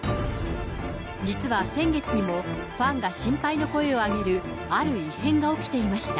実は先月にも、ファンが心配の声を上げる、ある異変が起きていました。